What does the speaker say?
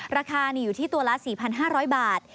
ราคาอยู่ที่ตัวละ๔๕๐๐บาท